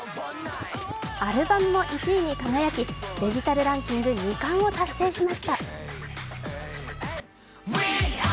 アルバムも１位に輝きデジタルランキング２冠を達成しました。